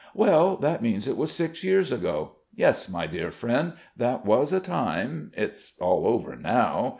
"Well, that means it was six years ago. Yes, my dear friend, that was a time. It's all over now.